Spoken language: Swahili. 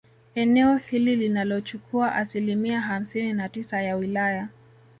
Eneo hili linalochukua asilimia hamsini na tisa ya wilaya